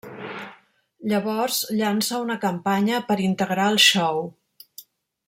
Llavors llança una campanya per integrar el show.